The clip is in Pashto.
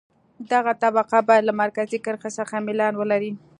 دغه طبقه باید له مرکزي کرښې څخه میلان ولري